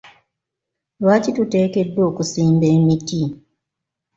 Lwaki tuteekeddwa okusimba emiti?